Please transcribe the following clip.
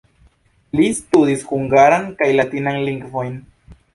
Li studis hungaran kaj latinan lingvojn.